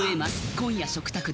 今夜食卓で。